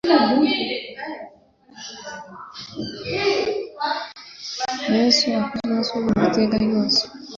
Yezu akuzwe aho usubiza ngo Iteka ryose.